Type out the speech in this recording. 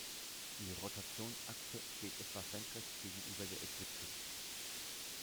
Die Rotationsachse steht etwa senkrecht gegenüber der Ekliptik.